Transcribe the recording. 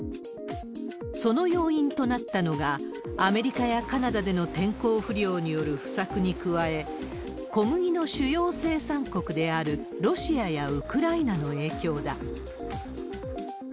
その要因となったのが、アメリカやカナダでの天候不良による不作に加え、小麦の主要生産国であるロシアやウクライナの影響だ。